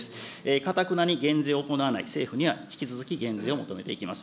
かたくなに減税を行わない政府には引き続き減税を求めていきます。